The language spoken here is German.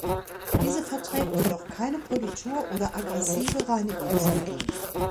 Diese verträgt jedoch keine Politur oder aggressive Reinigungsmittel.